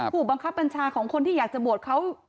ผู้บังคับบัญชาของคนที่อยากจะบวชเขา